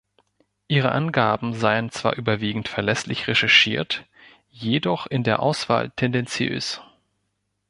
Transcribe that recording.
Ihre Angaben seien zwar überwiegend verlässlich recherchiert, jedoch in der Auswahl tendenziös.